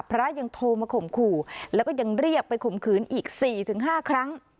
พระยังโทรมาข่มขู่แล้วก็ยังเรียกไปข่มขืนอีก๔๕ครั้ง